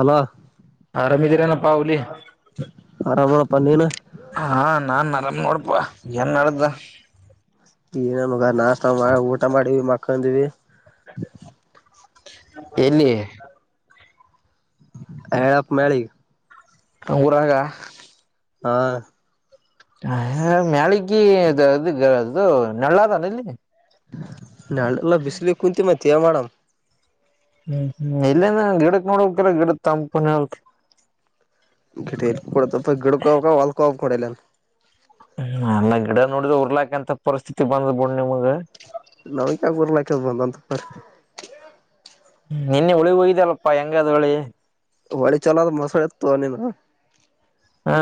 ಅಲ ರಮಿದರನ ಪಾವಲಿ ಹಪ್ಪ ನೀನು ಹಾ ನಾನ್ ಆರಾಮ ನೋಡ್ಪಾ ಏನ್ ನಡ್ದ ಈನನುಗ ನಾಸ್ತ ಊಟ ಮಾಡಿವವಿ ಮಕ್ಕಂದಿವವಿ ಎಲ್ಲಿ ಹೇಳಪ್ಪ ಮಳಿಗ್ ಹಊರಾಗ ಹಾ ಹ ಮ್ಯಾಲಗದು ಅದು ನೆಳ್ಳದಾನ ಇಲ್ಲಿ ನಳಲ್ಲ ಭಿಸಲಿ ಕುಂಂತ ಮಾತಿ ಯ ಮೇಡಮ್ ಹ್ಮ್ ಹ್ಮ್ ಇಲ್ಲಂದ ಗಿಡಕ್ ನೋಡಕರ ಗಿಡ ತಂಪನ ಹಕ್ ಗಿಡೈ ಕೊಡ ತಪ್ಪ ಗಿಡಕಪ್ಪಬೇಕ ವಲ್ ಕಪ್ಪ ಕೊೂಡಲ್ಲನ್ ಹ್ಮ ಎಲ್ಲ ಗಿಡ ನೋಡಿದ್ರೆ ಉರ್ಲಾಕ ಎಂತ ಪರಿಸ್ಥಿತಿ ಬಂದ್ ಬುಣ ನಿಮಗ ನಾವಿಕಗರ್ಲಕ ಬಂದಂತ ಬರ್ ನಿನ್ನೆ ಉಳಿಗ್ ಹಯ್ದಲ್ಲಪ್ಪಾ ಹೆಂಗದ್ ಹಳಿ ಹೊಳಿ ಚಲೋದು ಮಸಳತ ಅನ ಹ್ಮ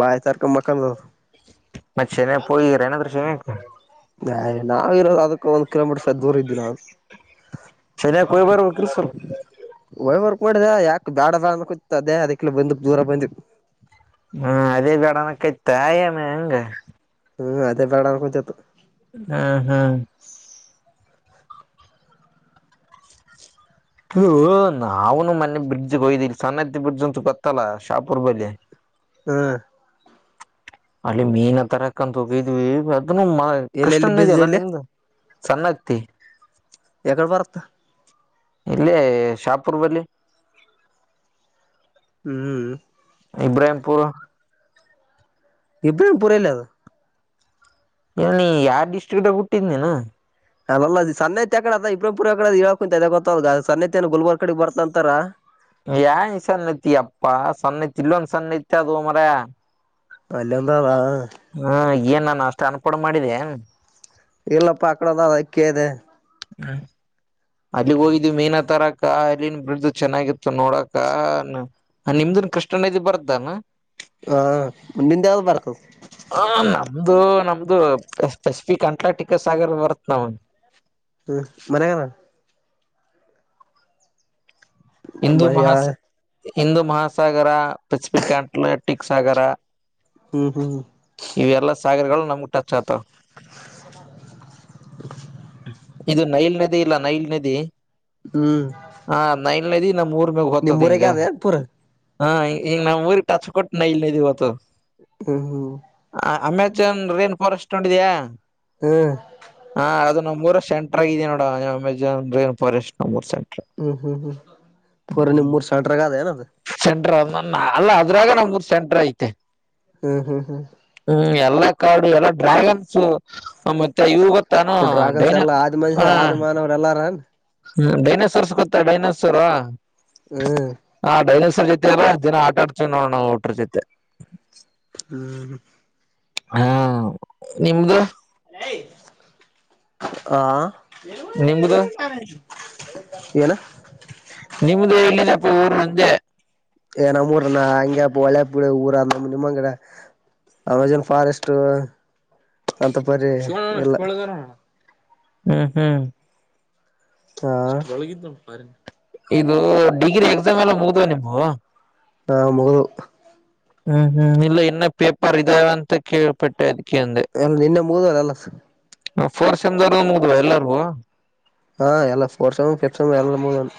ಬಾಯ ಸಾರಕ ಮಕಾನದ ಮ ಚೆನ ಪಯರನ ದಶ ನ ನಾವ್ ಇರೋದು ಅದಕ್ಕೆ ಒಂದು ಕಿಲೋಮೀಟರ್ ಸ ದೂರ ಇದ್ದನ ನಾು ಶನ್ಯಕ್ ಹೋಗಿ ಬರ್ಬೇಕ್ರಿ ಸ್ವಲ್ಪ ವೈವರ್ ನೋಡಿದೆ ಯಾಕ ಬೇಡ ಬೇಡ ಕೂತ ಅದೇ ಅದಕ್ಕೆಲ ಬಂದು ದೂರ ಬಂದಿ ಹ್ಮ್ ಅದೇ ಗಡಾನ ಕಯ್ತಾಯ ಮ ಹೆಂಗ ಹ್ಮ್ ಅದೇ ಬೇಡನ್ ಕೊಂಚೊತ ಹ್ಮ್ ಹ್ಮ್ ಹ ನಾವುನು ಮೊೆ ಬ್ರಿಡ್ಜಗ್ ಹಯ್ದ ಸನ್ನದಿ ಬ್ರಿಡ್ಜ್ ಅಂತ ಗೊತ್ತಲ್ಲ ಶಾಪುರ್ ಬಳಿ ಹ್ಮ ಅಲ್ಲಿ ಮೀನ್ ತರಕ್ಕಂತ ಹೋಗಿದ್ವಿ ಅದನು ಎಲ್ಲೆಲ್ಲಿ ಕಷ್ಟನ ಇದ ಬೀಜ ಅಲ್ಲಾ ಎಲ್ಲಿ ನಿಮ್ದ ಚೆನ್ನಾಗತಿ ಎಕಡೆ ಬರತ್ತ ಇಲ್ಲೇ ಶಾಪುರ್ ಬಲ್ಲಿ ಹ್ಮ್ ಇಬ್ರಾಂಪುರ್ ಎಬಡ ಪರಲ ಅದು ಇಲ್ಲಿ ಯಾರ್ ಡಿಸ್ಟ್ರಿಕ್ ಡ ಬಿುಟ್ಟಿದ್ ನೀನು ಅಲ್ಲ ಅ ಸನ್ನೆತಿ ಕಡೆ ಅದ ಇಬರಪುರ್ ಯ ಕಡೆ ಅ ಹೇಳಾಕ ಕುಂತ ಗೊತ್ತದ ಸನ್ನತ್ತ ಏ ಗುಲ್ಬರ್ ಕಡೆ ಬತ ಅಂತಾರ ನ್ ಸನ್ನತಿ ಯಾಪ್ಪಾ ಸನ್ನತಿ ಇನ್ನೊಂದು ಸನ್ನತಿ ಇತ್ತು ಮಾರಾಯ ಅಲ್ಲಿದವ ಹಾ ಏನ್ ನಾನು ಅಷ್ಟೇ ಅನ್ಪೊಂಡ ಮಾಡಿದ್ದೇ ಇಲ್ಲಪ್ಪ ಆಕಡದಗೆ ಕೇಳಿದೆ ಹ್ಮ ಅಲ್ಲಿ ಹೋಗಿದವಿ ಮೀನ ತರಕ್ಕ ಅಲ್ಲಿನ್ ಬಿದು ಚೆನ್ನಾಗಿತ್ತು ನೋಡಕ ನಿಮ್ದ ಕಸ್ಟಮಿಜಿ ಗೆ ಬರ್ತಾನ ಹಾ ನಿಂದು ಯಾವುದು ಬರ್ತದೆ ಹ ನಮ್ದು ನಮ್ದು ಪೆಸಿಫಿಕ್ ಅಂಟಾರಟಿಕಾ ಸಾಗರ್ ಬರ್ತಾವ ನೋಡು ಹ್ಮ್ ಮನೆೆಯಾಗ ಹಿಂದೂ ಮಯ್ಯ ಮಹಾಸ ಹಿಂದೂ ಮಹಾಸಾಗರ ಪೆಸಿಫಿಕ್ ಆಂಟಲಾಟಿಕ್ ಸಾಗರ ಹ್ಮ್ ಹ್ಮ್ ಇವೆಲ್ಲಾ ಸಾಗರಗಳು ನಮಗೆ ಟಚ್ ಆತವ್ ಇದು ನೈಲ್ ನದಿ ಇಲ್ಲ ನೈಲ್ ನದಿ ಹ್ಮ್ ಹ ನೈಲ್ ನದಿ ನಮ್ ಊರ್ ಮ್ಯಾಗ ಹೋಗ್ತದೆ ನಿಮ್ಮೂರಾಗೆ ಹಿಂಗ ಅದ ಏನ್ ಪೂರ ಹಾ ಈಗ ನಮ್ ಊರಿಗೆ ಟಚ್ ಕೊಟ್ಟು ನೈಲ್ ನದಿ ಹೋತಾದ್ಧ ಹ್ಮಹ್ಮ್ ರೈನ್ ಫಾರೆಸ್ಟ್ ನೋಡಿದೀಯ ಹ್ಮ್ ಅದು ನಮ್ಮ ಊರ ಸೆಂಟರ್ ಆಗೀದೇ ನೋಡು ಅಮೆಜಾನ್ ರೈನ್ ಫಾರೆಸ್ಟ್ ಹ್ಮ್ ಹ್ಮ್ ಹ್ಮ್ ಪೂರ ನಿಮ್ಮ ಊರು ಸೆಂಟರ್ ಅದಾಗೇನು ಅದು ಸೆಂಟಾರ್ ಅಲ್ಲ ಅದ್ರಾಗ ನಮ್ ಊರು ಸೆಂಟ್ರ ಐತೆ ಹ್ಮ್ ಹ್ಮ್ ಹ್ಮ್ ಹ್ಮ್ ಎಲ್ಲಾ ಕಾಡು ಎಲ್ಲ ಡ್ರ್ಯಾಗನ್ಸ್ ಮತ್ತೆ ಇವು ತಾನು ಡ್ರಾಗನ್ಸ್ ಡೈನೋ ಎಲ್ಲ ಆದಿ ಮನುಷ್ಯ ಆದಿ ಮಾನವ್ರ ಎಲ್ಲಾರೇನ್ ಹ್ಮ ಡೈನೋಸರ್ ಗೊತ್ತಾ ಡೈನೋಸರ್ ಹ್ಮ್ ಹಾ ಡೈನೋಸರ್ ಜೊತೆ ಅಲ್ಲ ದಿನ ಆಟ ಆಡ್ಕೊಂಡ ನೋಡಿಕೊಂಡು ಊಟ್ರ ಜೊತೆ ಹ್ಮ ಹಾ ನಿಮ್ದ ಆ ನಿಮ್ದು ಏನು ನಿಮ್ದು ಎಲ್ಲಿದಪ್ಪ ಊರು ಅಂದೇ ಏ ನಮ್ಮ ಊರು ಹಂಗೆಪ್ಪ ಒಳೆ ಪುಳೆ ಊರಮ್ಮ ನಿಮ್ಮಂಗಡೆ ಅಮೆಜಾನ್ ಫಾರೆಸ್ಟ್ ಅಂತ ಪರಿ ಇಲ್ಲ ಹ್ಮ್ ಹ್ಮ್ ಹಾ ಇದು ಡಿಗ್ರಿ ಎಕ್ಸಾಮ್ ಎಲ್ಲ ಮುಗಿದವಾ ನಿಂದು ಹ ಮುಗಿದ್ದವು ಹ್ಮ್ ಹ್ಮ್ ಇಲ್ಲ ಇನ್ನ ಪೇಪರ್ ಇದಾವ ಅಂತ ಕೇಳಪಟ್ಟೆ ಎಲ್ಲಾ ನಿನ್ನೆ ಮುಗದವು ಫೋರ್ತ್ ಸೇಮ್ ಅವು ಮುಗಿದ್ವ ಎಲ್ಲರದು ಹಾ ಎಲ್ಲ ಫೋರ್ ಹಾಳು ಮುಳು ಎಲ್ಲಾ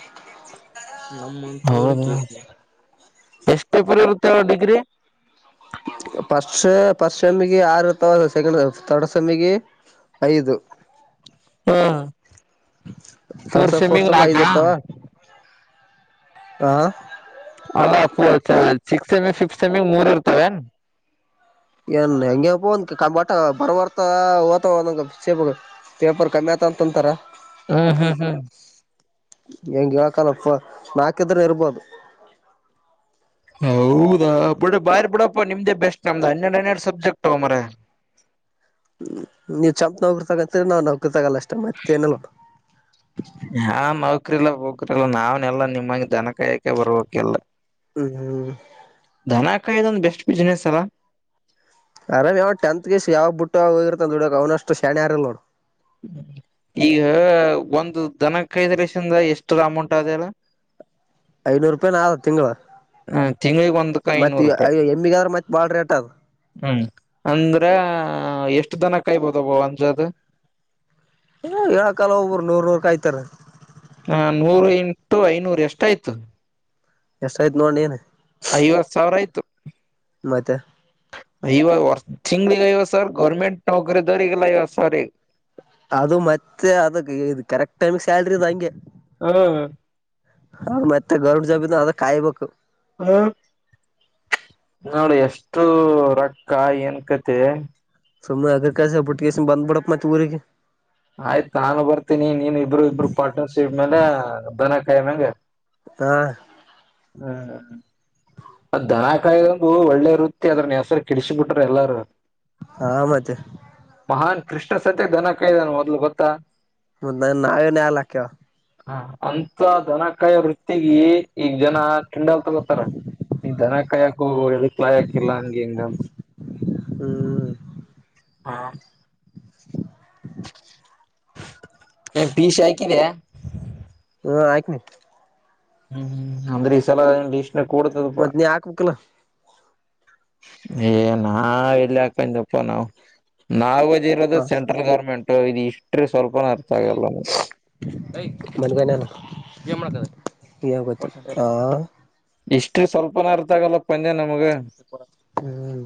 ಹೌದಾ [unintelligible] ಎಷ್ಟ್ ಪೇಪರ್ ಇರುತ್ತೆ ಹೇಳು ಡಿಗ್ರಿ ಫಸ್ಟ್ ಫಸ್ಟ್ ಸಮ್ಮಿಗೆ ಆರು ಇತವ್ ಸೆಕಂಡ್ ಥರ್ಡ್ ಸಮ್ಮಿಗೆ ಐದು ಹ ಥರ್ಡ್ ಫೋರ್ ಸೇಮ್ ಫೋರ್ತ್ ಸೆಮಿಗ್ ಸೇಮ್ ಐದು ನಾಕಾ ಇರ್ತಾವ ಹಾ [unintelligible] ಅಲ್ಲ ಸಿಕ್ಸ್ ಎಮಿ ಫಿಫ್ತ್ ಎಮಿ ಮೂರ್ ಇರ್ತವ ಏನ ಏನ್ ಹೆಂಗೆಪ್ಪ ಒಂದ ಕಟ ಬರಬರ್ತ ಓತ ಒಂಗ ಸೇಪ ಪೇಪರ್ ಕಮ್ಮಿ ಆತ ಅಂತಂತಾರ ಹ್ಮ್ ಹ್ಮ್ ಹ್ಮ್ ಹೆಂಗ ಯಕಲ್ಲಪ್ಪ ನಾಲ್ಕಿದ್ರೆ ಇರ್ಬೋದು ಹೌದಾ ಬಿ ಬ ಬಿಡಪ್ಪ ನಿಮ್ದೇ ಬೆಸ್ಟ್ ನಮ್ದ್ ಹನ್ನೆರಡ್ ಹನ್ನೆರಡು ಸಬ್ಜೆಕ್ಟ್ ಮಾರಾಯ [inaudible] ಹ್ಮ್ ನೀವು ಚಂಪ ನವರು ತಗತ್ರ ನಾವು ನವಕ್ರ ತಗಲ್ಲ ಅಷ್ಟ ಮತ್ತೆ ಏನಲ್ಲ ಯಾವ ನೌಕರಿಲ್ಲ ಹೋಗ್ರಲ್ಲ ನಾವನೆ ಎಲ್ಲಾ ನಿಮ್ಮಂಗ ದನ ಕಾಯಕೆ ಬರ್ಕಲ್ಲ ಹ್ಮ್ ಹ್ಮ ಧನಕಾಯ ದೊಂದು ಬೆಸ್ಟ್ ಬಿಸ್ನೆಸ್ ಅಲ್ಲ ಅರಾಮ್ ಯಾವ್ ಟೆತ್ಗೆಸ್ ಯಾವ್ ಬುಟ್ಟ ಹೋಗಿತ ನದುಡಕ್ ಅವ್ನಷ್ಟ ಶೇಣ್ಯ ಆರಲ್ ನೋಡು ಈಗ ಒಂದು ದನ ಕೈದ ಲಸಿಂದ ಎಷ್ಟ ಅಮೌಂಟ್ ಅಲ್ಲ ಹೇಳು ಐನೂರು ರೂಪಾಯಿನ ಆದ ತಿಂಗಳು ಹ ತಿಂಗಳಿಗೆ ಒಂದಕ್ಕ ಐನೂರು ರೂಪಾಯಿ ಎಮ್ಮಿಗಾದ್ರ ಮತ್ ಬಾಳ್ ರೇಟ್ ಅದ ಹ್ಮ್ ಅಂದ್ರೆ ಎಷ್ಟು ದನ ಕೈ ಬದು ಭಂ ಜತೆ ಹ ಹೇಳ ಕಾಲ ಒಬರು ನೂರ್ ನೂರ್ ಕಾಯ್ತಾರ ಹಾ ನೂರು ಎಂಟು ಐನೂರು ಎಷ್ಟ ಆಯ್ತು ಎಷ್ಟ ಆಯ್ತು ನೋಡಣ ನಿನ್ ಐವತ್ ಸಾವಿರ ಆಯ್ತು ಮತ್ತೆ ಇಐವ ವರ್ ತಿಂಗಳಿಗ ಐವತ್ತ ಸಾವಿರ ಗವರ್ಮೆಂಟ್ ನೌಕರಿ ದರಿಗಲ್ಲ ಐವತ್ತ ಸಾವಿರ ಈಗ ಅದು ಮತ್ತೆ ಅದಕ್ ಇದು ಕರೆಕ್ಟ್ ಟೈಮಗೆ ಸ್ಯಾಲ್ರಿ ಇದ ಹಂಗೆ ಹಾ ಹ ಮತ್ತೆ ಗವರ್ನಮೆಂಟ್ ಜಬಿಂದ ಅದ ಕಾಯ್ಬೇಕು ಹಾ ನೋಡಿ ಎಷ್ಟು ರೊಕ್ಕ ಏನ್ ಕತೆ ಸುಮ್ಮನೆ ಅದಕ ಅಸೆ ಬುಟ್ಟಿಗೆಸ ಬಂದ ಬಿಡಪ್ಪ ಮತ್ತ ಊರಿಗೆ. ಆಯ್ತ್ ನಾನು ಬರ್ತೀನಿ ನೀನ್ ಇಬ್ರು ಇಬ್ರು ಪಾರ್ಟ್ನರ್ಶಿಪ್ ಮೇಲೆ ಬನ ಕಾಯಮಂಗ ಹಾ ಹ್ಮ್ ಹ್ಮ ಹ್ಮ ಅದ್ ದನ ಕಾಯಂಗು ಒಳ್ಳೆ ವೃತ್ತಿ ಅದ್ರನ್ನ ಹೆಸರು ಕೆಡಸಿ ಬಿಟ್ರ ಎಲ್ಲಾರ ಹ ಮತ್ತೆ ಹಾ ಕೃಷ್ಣ ಸತ್ಯೇ ಧನ ಕೈದ ಮೊದಲು ಗೋತ್ತಾ ಮ ನ ನಾವೇನ್ಯಾಲ ಹಾಕ್ಯವ ಹಾ ಅಂತ ದನಕಾಯಿ ವೃತ್ತಿಗೆ ಈಗ ಜನ ಕಿಂಡಲ್ ತಗೋತಾರ ನೀ ದನ ಕಾಯಾಕು ಎದಕ ಲಾಯಾಕಿಲ್ಲ ಹಂಗ ಹಂಗ ಅಂತ ಹ್ಮ್ ಪೀಶಾಯ ಕಿದೆ ಹ ಆಯಕ ನೀ ಹ್ಮ್ ಹ್ಮ್ ಅಂದ್ರೆ ಈ ಸಲ ಇಷ್ಟ ಮತ್ತ ನೀ ಹಾಕ್ಬೇಕಕ್ಲ್ ಏ ನಾ ಎಲ್ಲಿ ಹಾಕಂದಪ್ಪ ನಾವು ನಾವ ಇರೋದು ಹ ಸೆಂಟ್ರಲ್ ಗೌರ್ಮೆಂಟ್ ಇದು ಇಷ್ಟ [unintelligible] ಮನೆಗನಾನ ಹ ಹಿಸ್ಟರಿ ಸ್ವಲ್ಪನ ಅರ್ತಾಗಲ್ಲ ಪಂದ್ಯ ನಮ [unintelligible] ಹ್ಮ್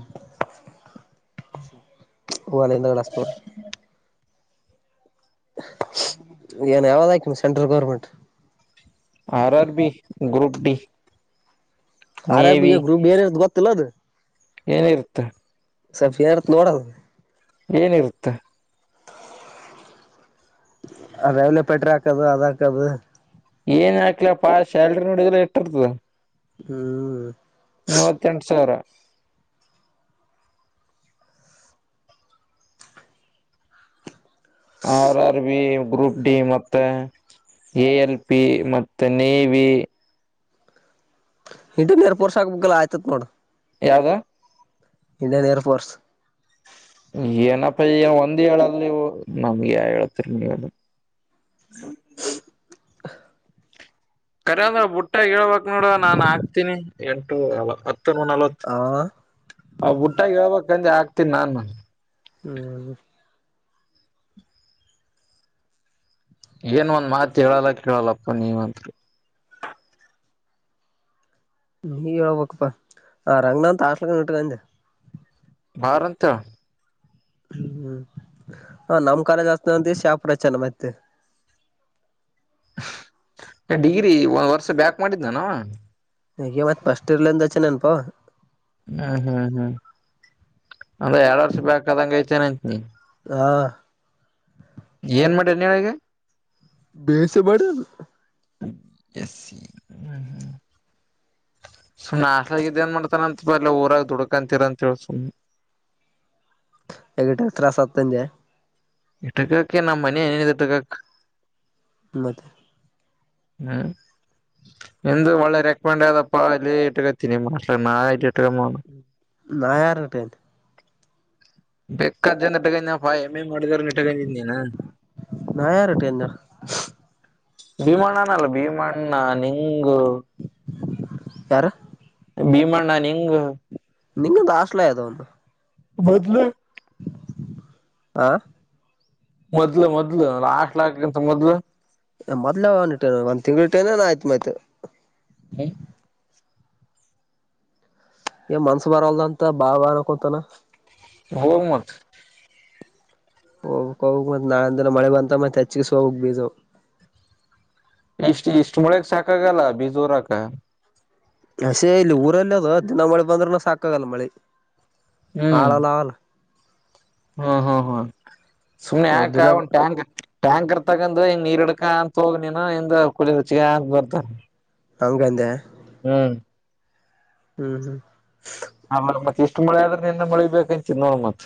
ಅಾಲಂದ ಕ್ಲಸ್ಪುರ್ ಏನ್ ಯಾವ್ದಕಿನ ಸೆಂಟ್ರಲ್ ಗೌರ್ಮೆಂಟ್ ಆಆ ಬಿ ಗ್ರೂಪ್ ಡಿ ಅಾರ ಗ್ರರುಪ ಗೊತ್ತತಲ್ಲದ ಏನಿರುತ್ತೆ ಸಫಿಯತ್ ನೋಡದು ಏನಿರುತ್ತೆ ಅ ರೈಲ ಪೆಟ್ರ ಹಾಕದು ಅದಾಕದು ಏನ್ ಹಾಕ್ಲಪ್ಪಾ ಶ್ಯಲ್ರಿ ನೋಡಿದ್ರ ಇಟ್ಟಿರ್ತದ ಹ್ಮ್ ನವತ್ತೆಂಟು ಸಾವರ R R B group D ಮತ್ತೆ ಎ ಎಲ್ ಪಿ ಮತ್ತೆ ನೇವಿ ಇಟನ್ ಎಏರ್ಪೋರ್ ಶಾಕ ಬಗ್ಗೆಲ್ಲ ಆಯತತ್ ನೋಡ ಯಾವ್ದ ಇಂಡಿಯನ್ ಏರ್ಫೋರ್ಸ್ ಏನಪ್ಪ ಒಂದ್ ಹೇಳಲ್ ನೀವು ನಮ್ಗೆ ಹೇಳ್ತಿರಿ ನೀ ಹ್ಮ ಖರಿ ಅಂದ್ರ ಬುಟ್ಟ ಹೇಳ್ಬಕ್ ನೋಡುವ ನಾನ್ ಹಾಕ್ತೀನಿ ಎಂಟು ನಲ್ವತ್ತು ಆ ಆ ಬುಟ್ಟಾಗ ಹೇಳ್ಬೇಕಂದೆ ಆಗ್ತನಿ ನಾನು ಹ್ಮ್ ಏನ್ ಒಂದ್ ಮಾತ್ ಹೇಳಲ್ಲ ಕೇಳಲ್ಲಪ್ಪ ನೀವಂತ ನೀ ಹೇಳಳ್ಬೇಕಪ್ಪಾ ಆ ರಂಗನಾಂತ ಆಾಟ್ಕ್ಕ ನಟಕಂದೆ ಮಾರಂತ ಹ್ಮ್್ಮ್ ಹ ನಮ್ ಕಾಲಜಸ್ತಂತ ಶಾಪುರ ಚೆನ್ನ ಮತ್ತ ಡ್ನ ಡಿಗ್ರಿ ಒಂದ್ ವರ್ಷ ಬ್ಯಾಕ್ ಮಾಡಿದ್ನಾನ ಹಗೆ ಮತ್ತತ್ ಪಫಸ್ಟ್ ಇರ್ಲಂದಚೆ ನೆನ್ಪ ಹ್ಮ್ ಹ್ಮ್ ಹ್ಮ್ ಅಂದ್ರೆ ಎರಡ್ ವರ್ಷ ಬಕ್ದಂಗ ಐತೆೇನೆಂತ ನೀ ಹಾ ಏನ್ ಮಾಡಿ ನೀಳಗೆ ಭೇಸ ಬಡ ಎಸ್ಸ ಹ್ಮ ಹ್ಮ್ ಸುಮ್ಮ್ನೆ ಆಸ್ಲಾಗಿದ್ದ್ ಏನ್ ಮಾಡ್ತಾನಂತ ಬ ಎಲ್ಲ ಊರಾಗ ದುಡಕಂತೀರ ಅಂತೇಳಿ ಸುಮ್ಮ್ನೆ ಎಗಟತ್ರಾಸತ್ತಜ ಇಟ ಕಕ ನಮ್ಮ ಮನಿನ್ನ ಇಟ್ಟ ಕಕ್ ಮತ್ತ ಹ್ಮ್ ಎಂದು ಒಳ್ಳೆ ರೆಕಮಂಡ್ ಅದಪ್ಪ ಅಲ್ಲಿ ಇಟ್ಗತ್ತೀನಿ ಮಾ ನ ನಾ ಯಾರನಟೇನ್ ಬೇಕಾದ ಜನಗ ಮಾಡಗಟಕ ನಾ ಯಾರ ಇಟ್ಟೇನ್ ಭೀಮಣ್ಣನಲ್ಲ ಭೀಮಣ್ಣ ನಿಂಗು ಯಾರ ಭೀಮ್ಣನ್ ಹೆಂಗ್ ನಿಂಗ ದಾ ಆಸ್ಲದ ಒಂದು ಬದಲು ಆ ಮೊದ್ಲು ಮೊದ್ಲು ಆಾಕ್ಲಾಕ್ಕ್ಕಂತ ಮೊದ್ಲು ಮೊದ್ೇ ಒ ಇಟ್ಟಟೇನ ಒಂದ್ ತಿಂಗ್ಳ ಇ ಟೇನ ಆಯ್ತ್ು ಆಯ್ತು ಹ್ಮ ಮನ್ಸ ಬರಲ್ದ ಅಂತ ಬಾ ಅನ್ಕೊತಾನ ಹೋಗ ಮತ್ ಹೋಗಕ್ ಹೋಗ ಮತ್ತತ್ ನಾಳೆಂದಿನ ಮಳೆ ಬಂತ ಮತ್ತೆ ಹೆಚ್ಚಗಸ್ ಹೋಗಕ್ ಬೀಜ ಇಷ್ಟ ಇಷ್ಟ ಮಳಗ್ ಸಾಕಾಗಲ್ಲ ಬೀಜೋರಾಕ ಹಸೇ ಇಲ್ಲಿ ಊರಲ್ಲಿ ಅದು ದಿನ ಮಳೆ ಬಂದ್ರನು ಸಾಕಾಗಲ್ಲ ಮಳಿ ಹ್ಮ್ ಹಳಲ್ಲ ಆಲ್ಲ ಹ್ಮ್ ಹ್ಮ್ ಹ್ಮ್ ಸುಮ್ನೆ ಯಾಕ ದಿನ ಒಟ್ಯಾಂಕ್ ಟ್ಯಾಂಕರ್ ತಗೊಂಡ ಹನ್ ನೀರ್ ಹಡಕ ಅಂತ ಹೋಗಿ ನೀನು ಹಿಂದ ಕುಳಿಚ್ಚಗ ಅಂತ ಬರ್ತಾರೆ ಹಂಗ ಅಂದೆ ಹ್ಮ್ ಹ್ಮ್ ಹ್ಮ್ ಆಮೇಲೆ ಮತ್ ಇಷ್ಟ್ ಮಳೆ ಆದ್ರ ನಿಿಂದ ಮಳೆ ಬಂತ ನೋಡ ಮತ್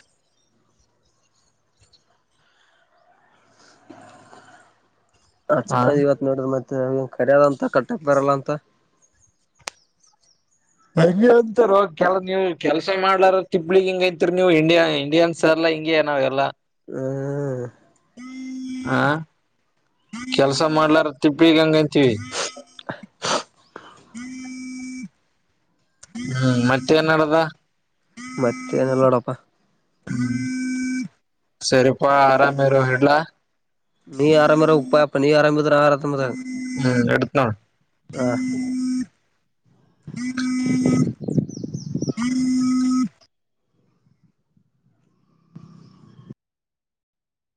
ಆ ಹ ಚುಪ್ಪಾಗಿ ಇವತ್ ನೋಡ್ರ ಮತ್ತೆ ಕರಿಾದ ಅಂತ ಕಟ್ಟಕ್ ಬರಲ್ಲ ಅಂತ ಹಗೆ ಅಂತಾರ ಕೆ ನೀವ್ ಕೆಲ್ಸ ಮಾಡ್ಲಾರ ತಿಬ್ಳಗ್ ಹಿಂಗೈತ್ರಿ ನೀವು ಇಂಡಿಯಾ ಇಂಡಿಯನ್ಸ್ ಎಲ್ಲ ಇಂಗಏನಾವಾಗೆ ಎಲ್ಲ ಹ್ಮ್ ಹಾ ಕೆಲ್ಸ ಮಾಡ್ಲಾರ ತಿಪ್ಪಿಗಂಗಂತೀವಿ ಹ್ಯಾಂ ಹ್ಮ್ ಮತ್ತೆ ಏನ್ಡದ ಮತ್ತೆ ಏನೆಲ್ಲ ನಡಪ್ಪ ಸರಿಪ್ಪಾ ಆರಾಮೇರ ಹೇಳಡ್ಲ ನೀ ಆರಾಮರ ಉಪ್ಪಾ ಅಪ್ಪ ನೀ ಆರಾಮ್ದ್ರ ಆರಾಮ ಹತ್ತಂಬ ಹ್ಮ್ ಇಡ್ತ್ ನೋಡ ಹ